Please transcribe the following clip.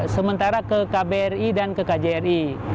sementara ke kbri dan ke kjri